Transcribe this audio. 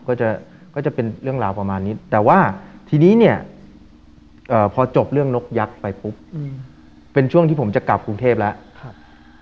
ก็จะก็จะเป็นเรื่องราวประมาณนี้แต่ว่าทีนี้เนี่ยพอจบเรื่องนกยักษ์ไปปุ๊บเป็นช่วงที่ผมจะกลับกรุงเทพแล้ว